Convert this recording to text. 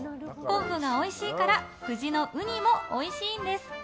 昆布がおいしいからウニもおいしいんです。